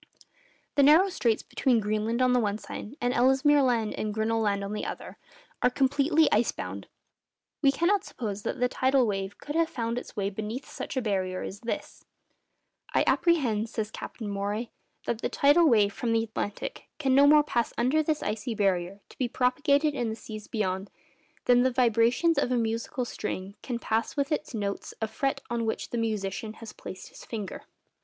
The narrow straits between Greenland on the one side, and Ellesmere Land and Grinnell Land on the other, are completely ice bound. We cannot suppose that the tidal wave could have found its way beneath such a barrier as this. 'I apprehend,' says Captain Maury, 'that the tidal wave from the Atlantic can no more pass under this icy barrier, to be propagated in the seas beyond, than the vibrations of a musical string can pass with its notes a fret on which the musician has placed his finger.